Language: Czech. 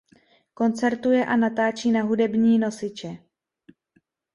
Koncertuje a natáčí na hudební nosiče.